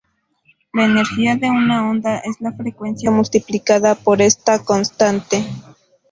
La energía de una onda es la frecuencia multiplicada por esta constante.